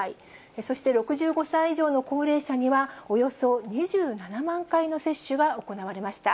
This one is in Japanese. そして６５歳以上の高齢者には、およそ２７万回の接種が行われました。